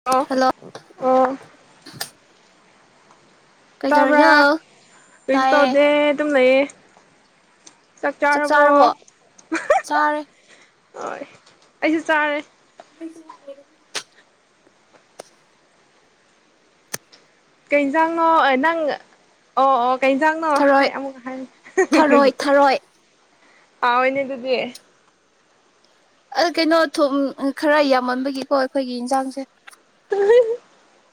ꯑꯣ ꯍꯜꯂꯣ ꯑꯣ ꯀꯩꯗꯧꯔꯤꯅꯣ ꯇꯥꯕ꯭ꯔꯥ ꯀꯣꯏꯁꯨ ꯇꯥꯏꯌꯦ ꯇꯧꯗꯦ ꯑꯗꯨꯝ ꯂꯩꯌꯦ ꯆꯥꯛ ꯆꯥꯔꯕꯣ ꯆꯥꯔꯦ ꯍ ꯑꯩꯁꯨ ꯆꯥꯔꯦ [inaudible] ꯀꯩꯖꯥꯡꯉꯣ ꯅꯪ ꯑꯣ ꯑꯣ ꯀꯖꯥꯡꯅꯣ ꯊꯔꯣꯏ ꯍꯥꯏ ꯑꯃꯨꯛ ꯍꯥꯏ ꯊꯔꯣꯏ ꯊꯔꯣꯏ ꯄꯥꯎꯅꯦ ꯑꯗꯨꯗꯤ ꯀꯩꯅꯣ ꯊ ꯈꯔ ꯌꯥꯝꯃꯟꯕꯒꯤꯀꯣ ꯑꯩꯈꯣꯏꯒꯤ ꯏꯟꯁꯥꯡꯁꯦ ꯎꯝ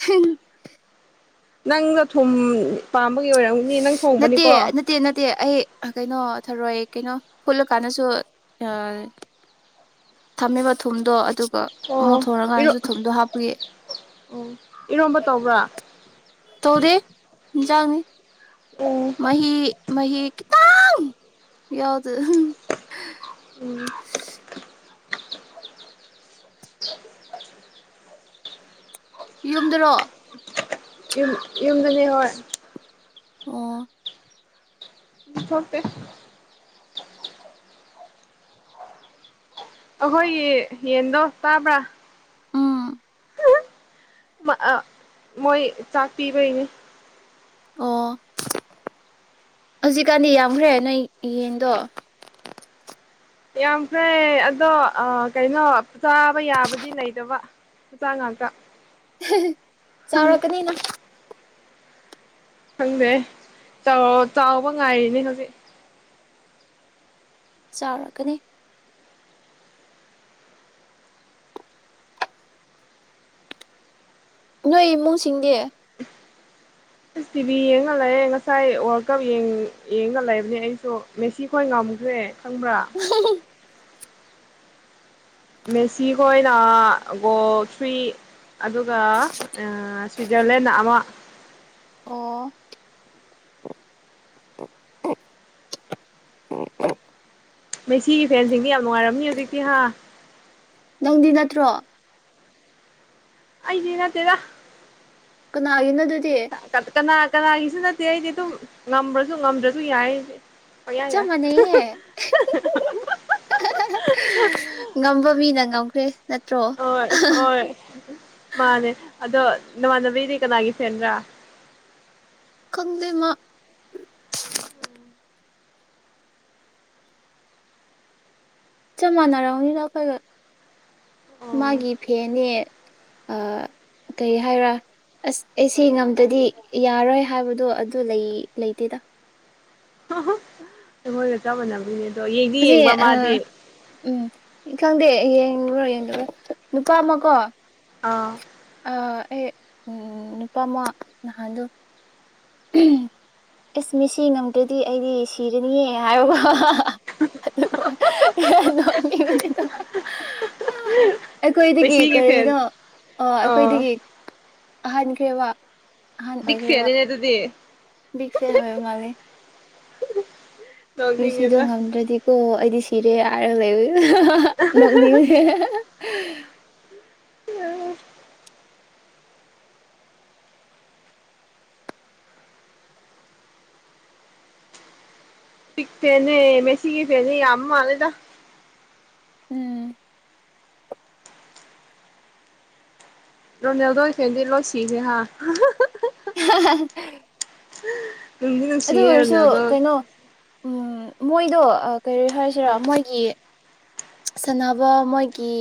ꯊꯪ ꯅꯪꯗ ꯊꯨꯝ ꯄꯥꯝꯕꯒꯤ ꯑꯣꯏꯔꯝꯅꯤ ꯅꯪ ꯅꯠꯇꯦ ꯊꯣꯡꯕꯅꯤꯀꯣ ꯅꯠꯇꯦ ꯅꯠꯇꯦ ꯑꯩ ꯀꯩꯅꯣ ꯊꯧꯔꯣꯏ ꯀꯩꯅꯣ ꯐꯨꯠꯂꯀꯥꯟꯗꯁꯨ ꯊꯝꯃꯦꯕ ꯊꯨꯝꯗꯣ ꯑꯗꯨꯒ ꯑꯃꯨꯛ ꯑꯣ ꯊꯣꯡꯔꯀꯥꯟꯗꯁꯨ ꯊꯨꯝꯗꯣ ꯍꯥꯞꯄꯨꯒ ꯎꯝ ꯏꯔꯣꯝꯕ ꯇꯧꯕ꯭ꯔꯥ ꯇꯧꯗꯦ ꯌꯦꯟꯖꯥꯡꯅꯤ ꯑꯣ ꯃ ꯃꯍꯍꯤ ꯌꯥꯎꯗ ꯎꯝ [inaudible] ꯌꯨꯝꯗꯔꯣ ꯌꯨꯝ ꯌꯨꯝꯗꯅꯤ ꯍꯣꯏ ꯑꯣ ꯊꯣꯔꯄ ꯑꯩꯈꯣꯏꯒꯤ ꯌꯦꯟꯗꯣ ꯇꯥꯕ꯭ꯔꯥ ꯎꯝ ꯃꯣꯏ ꯆꯥꯛ ꯄꯤꯕꯩꯅꯤ ꯑꯣ ꯍꯧꯖꯤꯛꯀꯥꯟꯗꯤ ꯌꯥꯝꯈ꯭ꯔꯦ ꯅꯣꯏ ꯌꯦꯟꯗꯣ ꯌꯥꯝ ꯐ꯭ꯔꯦ ꯑꯗꯣ ꯀꯩꯅꯣ ꯆꯥꯕ ꯌꯥꯕꯗꯤ ꯂꯩꯗꯕ ꯇꯥꯡꯉꯀ ꯆꯥꯎꯔꯛꯀꯅꯤꯅ ꯈꯪꯗꯦ ꯆꯥꯎꯕ ꯉꯥꯏꯔꯤꯅꯦ ꯍꯧꯖꯤꯛ ꯆꯥꯎꯔꯛꯀꯅꯤ ꯅꯣꯏ ꯏꯃꯨꯡꯁꯤꯡꯗꯤ ꯁ ꯇꯤ ꯚꯤ ꯌꯦꯡꯉ ꯂꯩꯦ ꯉꯁꯥꯏ ꯋꯥꯔꯜ ꯀꯞ ꯌꯦꯡꯅꯜꯂꯕꯅꯦ ꯑꯩꯁꯨ ꯃꯦꯁꯤ ꯈꯣꯏ ꯉꯝꯈ꯭ꯔꯦ ꯈꯪꯕ꯭ꯔꯥ꯫ ꯃꯦꯁꯤ ꯍꯣꯏꯅ ꯒꯣꯜ ꯊ꯭ꯔꯤ ꯑꯗꯨꯒ ꯑ ꯁ꯭ꯋꯤꯖꯔꯂꯦꯟꯅ ꯑꯃ ꯑꯣ꯫ ꯃꯦꯁꯤꯒꯤ ꯐꯦꯟꯁꯤꯡꯗꯤ ꯌꯥꯝ ꯅꯨꯡꯉꯥꯏꯔꯝꯅꯤ ꯍꯧꯖꯤꯛꯇꯤ ꯍꯥ꯫ ꯅꯪꯗꯤ ꯅꯠꯇ꯭ꯔꯣ ꯑꯩꯗꯤ ꯅꯠꯇꯦꯗ ꯅꯅꯥꯏ ꯑꯗꯨꯗꯤꯌꯦ ꯀꯅꯥ ꯀꯅꯥꯒꯤꯁꯨ ꯅꯠꯇꯦ ꯑꯩꯗꯤ ꯑꯗꯨꯝ ꯉꯝꯕ꯭ꯔꯁꯨ ꯉꯝꯗ꯭ꯔꯁꯨ ꯌꯥꯏ ꯄꯪꯌꯥ ꯆ ꯌꯥꯏ ꯃꯅ ꯍꯥꯏ [unintelligible] ꯉꯝꯕ ꯃꯤꯅ ꯉꯝꯈ꯭ꯔꯦ꯫ ꯅꯠꯇ꯭ꯔꯣ ꯍꯣꯏ ꯍꯣꯏ ꯃꯥꯟꯅꯦ ꯑꯗꯣ ꯅꯃꯥꯟꯅꯕꯤꯗꯤ ꯀꯅꯥꯒꯤ ꯐꯦꯟꯔꯥ꯫ ꯈꯪꯗꯦ ꯃꯥ꯫ ꯆꯞ ꯃꯥꯟꯅꯔꯝꯅꯤꯗ ꯑꯩꯈꯣꯏꯒ ꯑꯣ ꯃꯥꯒꯤ ꯐꯦꯅꯦ ꯑꯇꯩ ꯍꯥꯏꯔꯥ ꯑꯁ ꯑꯩꯁꯦ ꯉꯝꯗꯗꯤ ꯌꯥꯔꯣꯏ ꯍꯥꯏꯕꯗꯣ ꯑꯗꯨ ꯂꯩ ꯂꯩꯇꯦꯗ꯫ ꯍꯥ ꯍꯥ ꯑꯩꯈꯣꯏꯒ ꯆꯞ ꯃꯥꯟꯅꯕꯅꯤꯅ꯫ [unintelligible] ꯑ ꯎꯝ ꯈꯪꯗꯦ ꯌꯦꯡꯕ꯭ꯔꯥ ꯌꯦꯡꯗꯕ꯭ꯔꯥ ꯅꯨꯄꯥ ꯑꯃꯀꯣ ꯑꯥ ꯑ ꯑꯩ ꯅꯨꯄꯥꯃ ꯅꯍꯥꯟꯗꯣ ꯑꯦꯁ ꯃꯁꯤ ꯉꯝꯗ꯭ꯔꯗꯤ ꯑꯩꯗꯤ ꯁꯤꯔꯅꯤꯍꯦ ꯍꯥꯏꯔꯨꯕ [unintelligible] [unintelligible] ꯑꯩꯈꯣꯏꯗꯒꯤ ꯃꯦꯁꯤꯒꯤ ꯀꯔꯤꯅꯣ ꯐꯦꯟ ꯑꯣ ꯑꯩꯈꯣꯏꯗꯒꯤ ꯍꯥꯟꯈ꯭ꯔꯦꯕ ꯕꯤꯛ ꯐꯦꯟꯅꯤꯅꯦ ꯑꯗꯨꯗꯤ ꯕꯤꯒ ꯐꯦꯟ ꯑꯣꯏꯕ ꯃꯥꯂꯦ꯫ ꯃꯦꯁꯤꯗꯣ ꯅꯣꯛꯅꯤꯡꯉꯦꯗ ꯉꯝꯗ꯭ꯔꯗꯤꯀꯣ ꯑꯩꯗꯤ ꯁꯤꯔꯦ ꯍꯥꯏꯔꯒ ꯂꯩ ꯅꯣꯛꯅꯤꯡꯉꯦ [unintelligible] ꯕꯤꯛ ꯐꯦꯟꯅꯦ ꯃꯦꯁꯤꯒꯤ ꯐꯦꯟꯖꯦ ꯌꯥꯝꯃ ꯃꯥꯜꯂꯦꯗ꯫ ꯎꯝ꯫ ꯔꯥꯅꯥꯜꯗꯣ ꯐꯦꯟꯗꯤ ꯂꯣꯏ ꯁꯤꯒ꯭ꯔꯦ ꯍꯥ [unintelligible] [unintelligible] ꯅꯨꯡꯗꯤ ꯑꯗꯨ ꯅꯨꯡꯁꯤꯌꯦ ꯑꯣꯏꯔꯁꯨ ꯔꯣꯅꯦꯜꯗꯣ ꯀꯩꯅꯣ ꯃꯣꯏꯗꯣ ꯑ ꯀꯔꯤ ꯍꯥꯏꯁꯤꯔꯥ ꯎꯝ ꯃꯣꯏꯒꯤ ꯁꯥꯟꯅꯕ ꯃꯣꯏꯒꯤ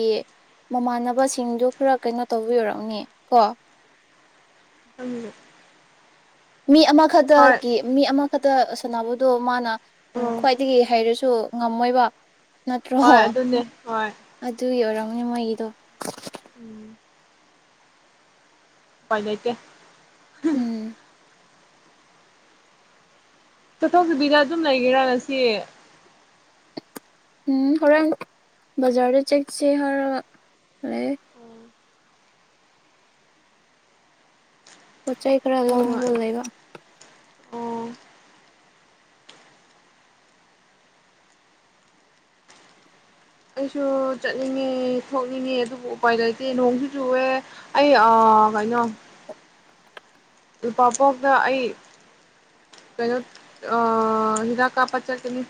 ꯃꯃꯥꯟꯅꯕꯁꯤꯡꯗꯣ ꯈꯔ ꯀꯩꯅꯣ ꯇꯧꯕꯩ ꯑꯣꯢꯔꯝꯅꯤ ꯀꯣ [unintelligible] ꯃꯤ ꯍꯣꯏ ꯑꯃꯈꯇꯒꯤ ꯃꯤ ꯑꯃꯈꯇ ꯁꯥꯟꯅꯕꯗꯣ ꯃꯥꯅ ꯑꯣ ꯈ꯭ꯋꯥꯏꯗꯒꯤ ꯍꯩꯔꯁꯨ ꯉꯝꯃꯣꯏꯕ ꯅꯠꯇ꯭ꯔꯣ ꯍꯣꯏ ꯑꯗꯨꯅꯦ ꯍꯣꯏ ꯑꯗꯨꯏ ꯑꯣꯏꯔꯝꯅꯤ ꯃꯣꯏꯒꯤꯗꯣ ꯎꯝ ꯎꯄꯥꯢ ꯂꯩꯇꯦ ꯎꯝ ꯆꯠꯊꯣꯛꯇꯕꯤꯗ ꯑꯗꯨꯝ ꯂꯩꯔꯤꯔꯥ ꯉꯁꯤ ꯎꯝ ꯍꯣꯔꯦꯟ ꯕꯖꯥꯔꯗ ꯆꯠꯁꯤ ꯍꯥꯏꯔꯒ ꯂꯩꯌꯦ ꯑꯣ ꯄꯣꯠ ꯆꯩ ꯈꯔ ꯅꯨꯡꯉꯥꯏ ꯂꯧꯅꯤꯡꯕ ꯂꯩꯕ ꯑꯣ ꯑꯩꯁꯨ ꯆꯠꯅꯤꯡꯉꯦ ꯊꯣꯛꯅꯤꯡꯉꯦ ꯑꯗꯨꯕꯨ ꯎꯄꯥꯏ ꯂꯩꯇꯦ ꯅꯣꯡꯁꯨ ꯆꯨꯋꯦ ꯑꯩ ꯑ ꯀꯩꯅꯣ ꯂꯨꯄꯥ [unintelligible] ꯑꯩ ꯀꯩꯅꯣ ꯑꯥ ꯍꯤꯗꯥꯛ ꯀꯥꯞꯄ ꯆꯠꯀꯅꯤ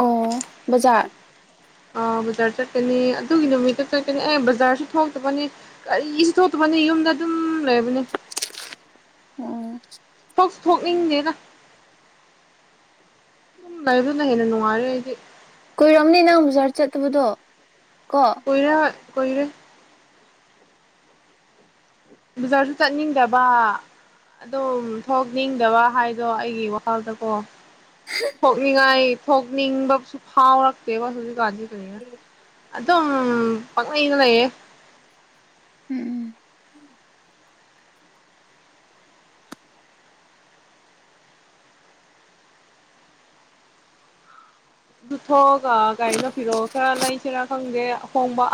ꯑꯣ ꯕꯖꯥꯔ ꯑ ꯕꯖꯥꯔ ꯆꯠꯀꯅꯤ ꯑꯗꯨꯒꯤ ꯅꯨꯃꯤꯠꯇ ꯆꯠꯀꯅꯤ ꯑꯦ ꯕꯖꯥꯔꯁꯨ ꯊꯣꯛꯇꯕꯅꯤ ꯀꯔꯤꯁꯨ ꯊꯣꯛꯇꯕꯅꯤ ꯌꯨꯝꯗ ꯑꯗꯨꯝ ꯂꯩꯕꯅꯦ ꯑꯣ ꯊꯣꯛꯁꯨ ꯊꯣꯛꯅꯤꯡꯗꯦꯗ ꯂꯩꯕꯅ ꯍꯦꯟꯅ ꯅꯨꯡꯉꯥꯏꯔꯦ ꯑꯩꯗꯤ ꯀꯨꯏꯔꯝꯅꯤ ꯅꯪ ꯕꯖꯥꯔ ꯆꯠꯇꯕꯗꯣ ꯀꯣ ꯀꯨꯏꯔ ꯀꯨꯏꯔꯦ ꯕꯖꯥꯔꯁꯨ ꯆꯠꯅꯤꯡꯗꯕ ꯑꯗꯨꯝ ꯊꯣꯛꯅꯤꯡꯗꯕ ꯍꯥꯏꯗꯣ ꯑꯩꯒꯤ ꯋꯥꯈꯜꯗꯀꯣ ꯊꯣꯛꯅꯤꯡꯉꯥꯏ ꯊꯣꯛꯅꯤꯡꯕꯁꯨ ꯐꯥꯎꯔꯛꯇꯦꯕ ꯍꯧꯖꯤꯛꯀꯥꯟꯗꯤ ꯍꯧꯖꯤꯛꯀꯥꯟꯗꯤ ꯀꯩꯔꯤꯔꯥ ꯑꯗꯨꯝ ꯄꯛꯂꯩꯗ ꯂꯩꯌꯦ ꯎꯝ ꯎꯝ ꯊꯣꯛꯑꯒ ꯀꯩꯅꯣ ꯐꯤꯔꯣꯜ ꯈꯔ ꯂꯩꯁꯤꯔꯥ ꯈꯪꯗꯦ ꯑꯍꯣꯡꯕ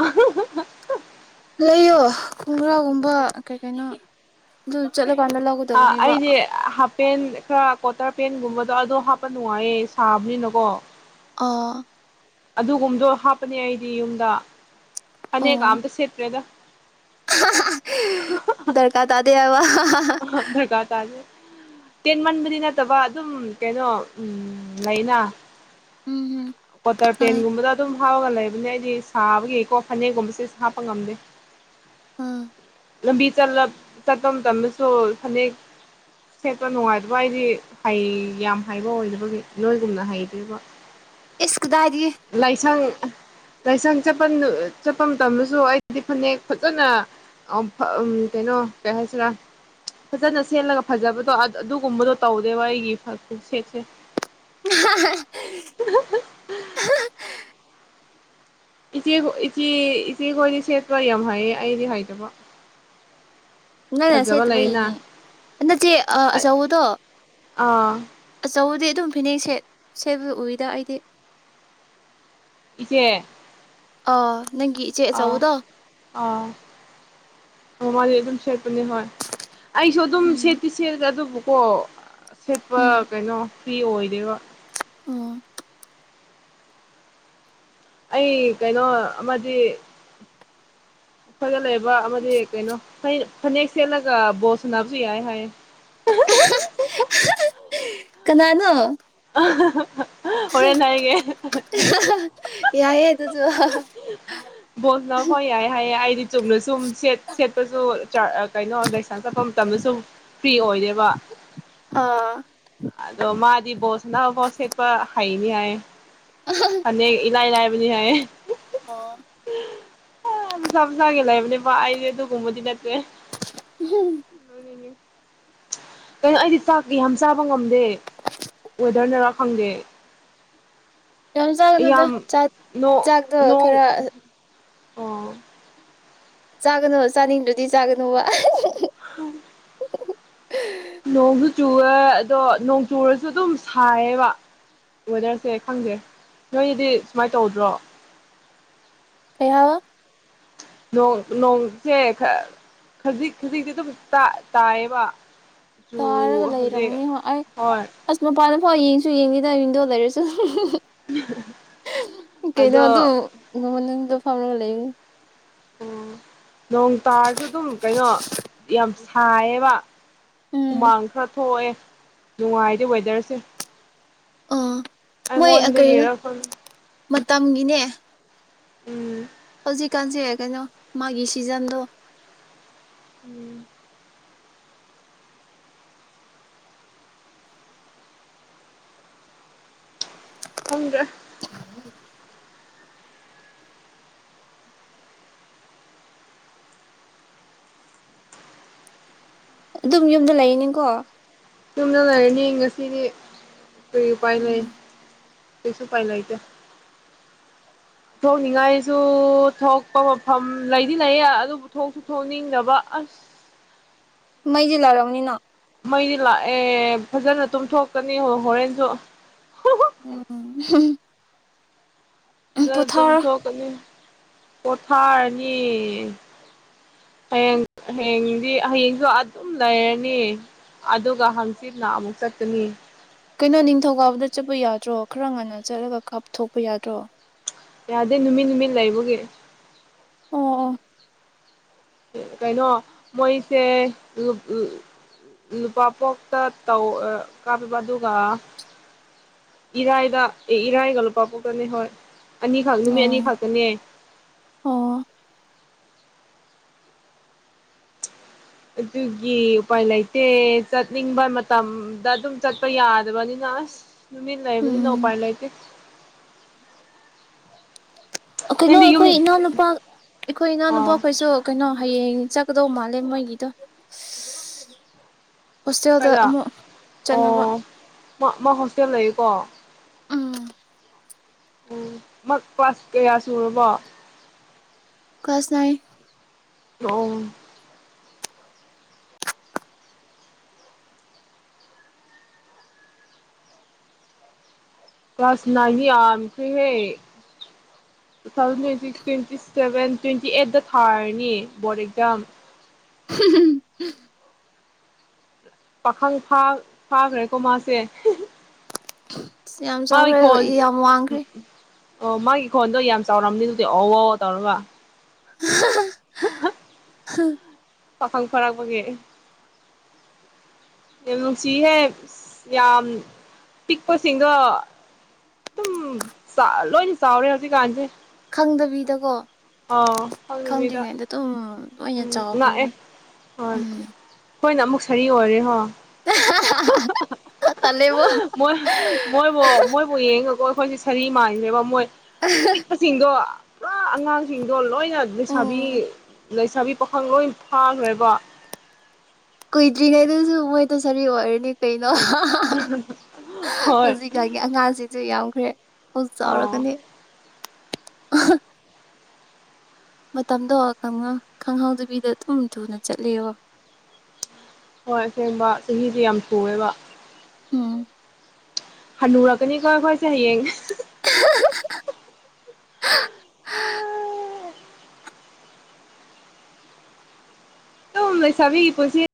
ꯂꯩꯌꯣ ꯈꯣꯡꯒ꯭ꯔꯥꯎꯒꯨꯝꯕ ꯀꯩ ꯀꯩꯅꯣ ꯑꯗꯨ ꯆꯠꯂꯀꯥꯟꯗ ꯂꯧꯒ ꯑ ꯑꯩꯗꯤ ꯍꯥ ꯄꯦꯟ ꯈꯔ ꯀ꯭ꯋꯥꯇꯔ ꯄꯦꯟꯒꯨꯝꯕꯗꯣ ꯑꯗꯣ ꯍꯥꯞꯄ ꯅꯨꯡꯉꯥꯏꯌꯦ ꯁꯥꯕꯅꯤꯅꯀꯣ ꯑꯣ ꯑꯗꯨꯒꯨꯝꯕꯗꯣ ꯍꯥꯞꯄꯅꯦ ꯑꯩꯗꯤ ꯌꯨꯝꯗ ꯐꯅꯦꯛꯀ ꯑꯣ ꯑꯝꯇ ꯁꯦꯠꯇ꯭ꯔꯦꯗ ꯎ ꯗꯔꯀꯥ ꯇꯥꯗꯕ ꯒ ꯇꯥꯖꯦ ꯇꯦꯟ ꯃꯟꯕꯗꯤ ꯅꯠꯇꯕ ꯑꯗꯨꯝ ꯀꯩꯅꯣ ꯎ ꯂꯩꯅ ꯎꯝ ꯎꯝ ꯀꯣꯇꯥꯔ ꯈꯪꯉꯦ ꯄꯦꯟꯦꯟꯒꯨꯝꯕꯗ ꯑꯗꯨꯝ ꯍꯥꯞꯄꯒ ꯂꯩꯕꯅꯦ ꯑꯩꯗꯤ ꯁꯥꯕꯒꯤꯀꯣ ꯐꯅꯦꯛꯒꯨꯝꯕꯁꯦ ꯍꯥꯞꯄ ꯉꯝꯗꯦ ꯑꯥ ꯂꯝꯕꯤ ꯆꯠꯄ ꯃꯇꯝꯝꯃꯁꯨ ꯐꯅꯦꯛ ꯁꯦꯠꯄ ꯅꯨꯡꯉꯥꯏꯇꯕ ꯑꯩꯗꯤ ꯍꯩ ꯌꯥꯝ ꯍꯩꯕ ꯑꯣꯏꯅꯕꯒꯤ ꯅꯣꯏꯒꯨꯝꯅ ꯍꯩꯗꯣꯏꯕ ꯏꯁ ꯀꯗꯥꯏꯗꯒꯤ ꯂꯥꯏꯁꯪ ꯂꯥꯏꯁꯪ ꯆꯠꯄ ꯆꯠꯄ ꯃꯇꯝꯗꯁꯨ ꯑꯩꯗꯤ ꯐꯅꯦꯛ ꯐꯖꯅ ꯑꯣ ꯎꯝ ꯀꯩꯅꯣ ꯀꯩ ꯍꯥꯏꯁꯤꯔꯥ ꯐꯖꯅ ꯁꯦꯠꯂꯒ ꯐꯖꯕꯗꯣ ꯑꯗꯨꯒꯨꯝꯕꯗꯣ ꯇꯧꯗꯦꯕ ꯑꯩꯒꯤ [unintelligible] ꯁꯦꯠꯁꯦ [inaudible] ꯏꯆꯦ ꯍꯣ ꯏꯆꯦ ꯏꯆꯦꯈꯣꯏꯗꯤ ꯁꯦꯠꯄ ꯌꯥꯝ ꯍꯥꯏꯌꯦ ꯑꯩꯗꯤ ꯍꯩꯇꯕ ꯅꯪꯅ ꯐꯖꯕ ꯂꯩꯌꯦꯅ ꯁꯦꯠꯇꯕꯒꯤꯅꯦ ꯅꯆꯦ ꯑ ꯑꯆꯧꯕꯗꯣ ꯑꯥ ꯑꯆꯧꯕꯗꯤ ꯑꯗꯨꯝ ꯐꯤꯅꯦꯛ ꯁꯦꯠ ꯁꯦꯠꯄ ꯎꯏꯗ ꯑꯩꯗꯤ ꯏꯆꯦ ꯑꯥ ꯅꯪꯒꯤꯠ ꯑꯥ ꯑꯥ ꯃꯃ ꯑꯗꯨꯝ ꯁ ꯅꯤ ꯍꯣꯏ ꯑꯩꯁꯨ ꯑꯗꯨꯝ ꯎꯝ ꯁꯦꯠꯇꯤ ꯁꯦꯠꯂ ꯑꯗꯨꯕꯨꯀꯣ ꯁꯦꯠꯄ ꯎꯝ ꯀꯩꯅꯣ ꯐꯤ ꯑꯣꯏꯗꯕ ꯑꯣ ꯑꯩ ꯀꯩꯅꯣ ꯑꯃꯗꯤ [inaudible] ꯑꯩꯈꯣꯏꯗ ꯂꯩꯕ ꯑꯃꯗꯤ ꯀꯩꯅꯣ ꯐꯅꯦꯛ ꯁꯦꯠꯂꯒ ꯕꯣꯁ ꯁꯅꯕꯁꯨ ꯌꯥꯏ ꯍꯥꯏꯌꯦ ꯀꯅꯥꯅꯣ ꯑ ꯌꯥ ꯌꯥ ꯇ ꯇ ꯕꯣꯜꯁꯅ ꯍꯣꯏ ꯌꯥꯏ ꯍꯥꯏꯌꯦ ꯑꯩꯗꯤ ꯆꯨꯝꯂ ꯁ ꯁꯦꯠꯄꯁꯨ ꯀꯩꯅꯣ ꯂꯩꯁꯥꯡ ꯆꯠꯐꯝ ꯃꯇꯝꯗꯁꯨ ꯐ꯭ꯔꯤ ꯑꯣꯏꯗꯦꯕ ꯑꯥ ꯑꯗꯣ ꯃꯥꯗꯤ ꯕꯣꯁ ꯅ ꯋꯥꯁꯦꯄ ꯍꯥꯏꯅꯤ ꯍꯥꯏꯌꯦ ꯐꯅꯦꯛ ꯏꯂꯥꯏ ꯂꯥꯏꯕꯅꯤ ꯍꯥꯏꯌꯦ ꯑꯣ ꯑ ꯆꯥꯖꯒꯦ ꯂꯩꯕꯅꯤꯅꯦ ꯑ ꯑꯗꯨꯒꯒꯨꯝꯕꯗꯤ ꯅꯠꯇꯦ ꯎꯝ ꯎꯅꯦ ꯀꯩꯅꯣ ꯑꯩꯗꯤ ꯆꯥꯛꯀꯤ ꯌꯥꯝ ꯆꯥꯕ ꯉꯝꯗꯦ ꯋꯦꯗꯔ ꯅꯔꯥ ꯈꯪꯗꯦ ꯌꯥꯝ ꯆꯥꯒꯅꯨꯗ ꯌꯥꯝ ꯆꯥꯛ ꯆꯥꯛꯇꯣ ꯅꯣꯡ ꯈꯔ ꯑꯣ ꯆꯥꯒꯅꯨ ꯆꯥꯅꯤꯡꯗ꯭ꯔꯗꯤ ꯆꯥꯒꯅꯨꯕ ꯎꯝ ꯅꯣꯡꯁꯨ ꯆꯨꯨꯔꯦ ꯑꯗꯣ ꯅꯣꯡ ꯆꯨꯔꯁꯨ ꯑꯗꯨꯝ ꯁꯥꯏꯌꯦꯕ ꯋꯦꯗꯔꯁꯦ ꯈꯪꯖꯦ ꯅꯣꯏꯒꯤꯗꯤ ꯁꯨꯃꯥꯏꯅ ꯇꯧꯗ꯭ꯔꯣ ꯀꯌꯥꯕ ꯅꯣꯡ ꯅꯣꯡꯁꯦ ꯈ ꯈꯖꯤꯛ ꯈꯖꯤꯛꯇꯤ ꯑꯗꯨꯝ ꯇꯥꯏꯌꯦꯕ ꯆꯨ ꯇꯥꯔꯒ ꯂꯩꯔꯝꯅꯤ ꯍꯧꯖꯤꯛ ꯍꯣꯏ ꯑꯩ ꯍꯣꯏ ꯑꯁ ꯃꯄꯥꯟꯗ ꯐꯥꯎ ꯌꯦꯡꯁꯨ ꯌꯦꯡꯉꯗ ꯃꯤꯡꯗꯣ ꯂꯩꯔꯁꯨ ꯀꯩꯩꯅ ꯑꯗꯣ ꯑꯗꯨ ꯉꯨꯃꯟꯗ ꯐꯔ ꯂꯩ ꯑꯣꯝ ꯅꯣꯡ ꯇꯥꯔꯁꯨ ꯑꯗꯨꯝ ꯀꯩꯅꯣ ꯌꯥꯝ ꯁꯥꯏꯌꯦꯕ ꯎꯝ ꯍꯨꯃꯥꯡ ꯈꯔ ꯊꯣꯛꯑꯦ ꯅꯨꯡꯉꯥꯏꯗꯤꯦ ꯋꯦꯗꯔꯁꯦ ꯑꯣ ꯃꯣꯏ ꯀꯩꯅꯣ ꯑꯩꯉꯣꯟꯗꯒꯤꯔ ꯈꯪ ꯃꯇꯝꯒꯤꯅꯦ ꯎꯝ ꯍꯧꯖꯤꯛꯀꯥꯟꯁꯦ ꯀꯩꯅꯣ ꯃꯥꯒꯤ ꯁꯤꯖꯟꯗꯣ ꯎꯝ ꯍꯒ [unintelligible] ꯑꯗꯨꯝ ꯌꯨꯝꯗ ꯂꯩꯅꯤꯀꯣ ꯆꯨꯝꯅ ꯂꯩꯔꯅꯤ ꯉꯁꯤꯗꯤ ꯀꯔꯤ ꯎꯄꯥꯏ ꯂꯩ ꯎꯝ ꯄꯁꯨ ꯄꯥꯏ ꯂ ꯏꯇꯦ ꯊꯣꯛꯅꯤꯡꯉꯥꯏꯁꯨ ꯊꯣꯛꯄ ꯃꯐꯝ ꯂꯩꯗꯤ ꯂꯩꯌꯦ ꯑꯗꯨꯕꯨ ꯊꯣꯛꯁꯨ ꯊꯣꯛꯅꯤꯡꯗꯕ ꯑꯁ ꯃꯩꯁ ꯂꯥꯛꯔꯔꯕꯅꯤꯅ ꯃꯩꯗꯤ ꯂꯥꯛꯑꯦ ꯐꯖꯅ ꯇꯨꯝꯊꯣꯛꯀꯅꯤ ꯍꯣꯔꯦꯟꯁꯨ ꯎꯝ ꯑꯗꯨ ꯄꯣꯊꯥꯔꯣ ꯑꯗꯨꯨꯝꯊꯣꯛꯀꯅꯤ ꯄꯣꯊꯥꯔꯅꯤ ꯍꯌꯦꯡ ꯍꯌꯦꯡꯗꯤ ꯍꯌꯦꯡꯁꯨ ꯑꯗꯨꯝ ꯂꯩꯔꯅꯤ ꯑꯗꯨꯒ ꯍꯪꯆꯤꯠꯅ ꯑꯃꯨꯛ ꯆꯠꯀꯅꯤ ꯀꯩꯅꯣ ꯅꯤꯡꯊꯧꯀꯥꯕꯗ ꯆꯠꯄ ꯌꯥꯗ꯭ꯔꯣ ꯈꯔ ꯉꯟꯅ ꯆꯠꯂꯒ ꯀꯥꯞꯊꯣꯛꯄ ꯌꯥꯗ꯭ꯔꯣ ꯌꯥꯗꯦ ꯅꯨꯃꯤꯠ ꯅꯨꯃꯤꯠ ꯂꯩꯕꯒꯦ ꯑꯣ ꯑꯣ ꯀꯩꯅꯣ ꯃꯣꯏꯁꯦ ꯅꯨꯄꯥ ꯄꯣꯛꯇ ꯇꯧ ꯀꯥꯞꯄꯤꯕ ꯑꯗꯨꯒ ꯏꯔꯥꯏꯗ ꯑꯦ ꯏꯔꯥꯏꯒ ꯂꯨꯄꯥ ꯄꯣꯛꯇꯅꯦ ꯍꯣꯏ ꯑꯅꯤꯈꯛ ꯅꯨꯃꯤꯠ ꯑꯣ ꯑꯅꯤ ꯈꯛꯇꯅꯦ ꯑꯣ ꯑꯗꯨꯒꯤ ꯎꯄꯥꯏ ꯂꯩꯇꯦ ꯆꯠꯅꯤꯡꯕ ꯃꯇꯝꯗ ꯑꯗꯨꯝ ꯆꯠꯄ ꯌꯥꯗꯕꯅꯤꯅ ꯑꯁ ꯂꯩꯥꯏꯕ ꯅ ꯎꯝ ꯄꯥꯔꯂꯥꯏꯠꯇꯦ ꯀꯩꯅꯣ ꯅꯪꯗꯤ ꯌꯨꯝ ꯑꯩꯈꯣꯏ ꯏꯅꯥꯎꯅꯨꯄꯥ ꯑꯩꯈꯣꯏ ꯑꯣ ꯏꯅꯥꯎꯅꯨꯄꯥꯈꯣꯏꯁꯨ ꯀꯩꯅꯣ ꯍꯌꯦꯡ ꯆꯠꯀꯗꯧ ꯃꯥꯜꯂꯦ ꯃꯣꯏꯒꯤꯗ ꯍꯣꯁꯇꯦꯜꯗ ꯀꯥꯏꯗ ꯑꯃꯨꯛ ꯆꯠꯅꯕ ꯑꯣ ꯃꯥ ꯍꯣꯁꯇꯦꯜ ꯂꯩꯌꯀꯣ ꯎꯝ ꯎ ꯃ ꯀ꯭ꯂꯥꯁ ꯀꯌꯥ ꯁꯨꯔꯕꯣ ꯀꯁꯅ ꯑꯣꯝ ꯇꯁ ꯅ ꯑꯁꯨ ꯍꯦ two thousand twenty six twenty seven twenty ꯑꯩꯗꯠꯇ ꯊꯥꯔꯅꯤ ꯕꯣꯔꯠ ꯑꯦꯛꯖꯥꯝ [inaudible] ꯄꯥꯈꯪ ꯐꯥꯈ꯭ꯔꯦꯀꯣ ꯃꯥꯁꯦ ꯌꯥꯝ ꯃꯥꯒꯤ ꯆꯥꯎꯈ꯭ꯔꯦ ꯈꯣꯟ ꯌꯥꯝ ꯋꯥꯡꯈ꯭ꯔꯦ ꯑꯣ ꯃꯥꯒꯤ ꯈꯣꯟꯗꯣ ꯌꯥꯝ ꯆꯥꯎꯔꯝꯅꯤ ꯑꯗꯨꯗꯤ ꯑꯧ ꯑ ꯇꯧꯔꯕ ꯎꯝ ꯄꯈꯪ ꯐꯔꯛꯕꯒꯦ ꯌꯥꯝ ꯅꯨꯡꯁꯤꯍꯦ ꯌꯥꯝ ꯄꯤꯛꯄꯁꯤꯡꯗꯣ ꯑꯗꯨꯝ ꯂꯣꯏꯅ ꯆꯥꯎꯔꯦ ꯍꯧꯖꯤꯛꯀꯥꯟꯁꯦ ꯈꯪꯗꯕꯤꯗꯀꯣ ꯑꯥ ꯈꯪꯗꯕꯤꯗ ꯈꯪꯗ꯭ꯔꯤꯉꯩꯗ ꯑꯗꯨꯝ ꯂꯣꯏꯅ ꯎꯝ ꯂꯥꯛꯑꯦ ꯆꯥꯎꯈ꯭ꯔꯦꯕ ꯍꯣꯏ ꯎꯝ ꯍꯣꯏꯅ ꯑꯃꯨꯛ ꯁꯥꯔꯤ ꯑꯣꯏꯔꯦ ꯍꯣꯏ ꯇꯜꯂꯦꯕꯣ ꯃꯣꯏ ꯃꯣꯏ ꯃꯣꯏ ꯊ ꯌꯦꯡꯉꯀꯣ ꯑꯩꯈꯣꯏꯁꯦ ꯁꯔꯤ ꯃꯥꯟꯈ꯭ꯔꯦꯕ ꯃꯣꯏ ꯄꯤꯛꯄ ꯆꯁꯤꯡꯗꯣ ꯄꯨꯔꯥ ꯑꯉꯥꯡꯁꯤꯡꯗꯣ ꯂꯣꯏꯅ ꯂꯩꯁꯥꯕꯤ ꯎꯝ ꯂꯩꯁꯥꯕꯤ ꯄꯥꯈꯪ ꯂꯣꯏ ꯐꯥꯈ꯭ꯔꯦꯕ ꯀꯨꯏꯗ꯭ꯔꯤꯉꯩꯗꯨꯁꯨ ꯃꯣꯏꯗ ꯁꯔꯤ ꯑꯣꯏꯔꯅꯤ ꯀꯩꯅꯣ ꯍꯣꯏ ꯑꯉꯥꯡꯁꯤꯁꯨ ꯌꯥꯎꯈ꯭ꯔꯦ ꯍꯧ ꯑꯥ ꯆꯥꯎꯔꯛꯀꯅꯤ ꯃꯇꯝꯗꯣ ꯈꯪꯉ ꯈꯪꯍꯥꯎꯗꯕꯤꯗ ꯑꯗꯨꯝ ꯊꯨꯅ ꯆꯠꯂꯦꯕ ꯍꯣꯏ ꯑꯁꯦꯡꯕ ꯆꯍꯤꯗꯤ ꯌꯥꯝ ꯊꯨꯑꯦꯕ ꯎꯝ ꯍꯅꯨꯔꯀꯅꯤꯀꯣ ꯑꯩꯈꯣꯏ ꯍꯌꯦꯡ [inaudible] [unintelligible] ꯑꯗꯨꯝ ꯂꯩꯁꯕꯤ ꯄꯨꯟꯁꯤ